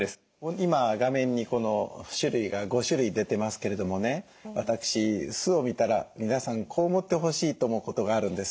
今画面に種類が５種類出てますけれどもね私酢を見たら皆さんこう思ってほしいと思うことがあるんです。